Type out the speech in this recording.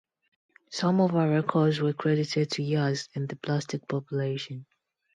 Some of her records were credited to Yazz and The Plastic Population.